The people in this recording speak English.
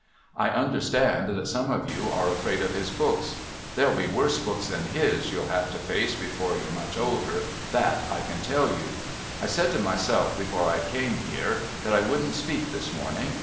I understand that some of you are afraid of his books. There'll be worse books than his you'll have to face before you're much older. That I can tell you! I said to myself before I came here that I wouldn't speak this morning.